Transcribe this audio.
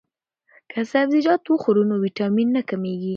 که سبزیجات وخورو نو ویټامین نه کمیږي.